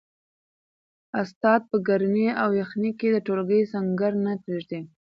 استاد په ګرمۍ او یخنۍ کي د ټولګي سنګر نه پریږدي.